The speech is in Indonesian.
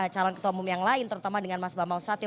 calon ketua umum yang lain terutama dengan mas bama soekarno satio